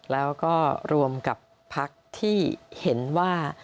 แล้วก็รวมกับพักที่เห็นว่า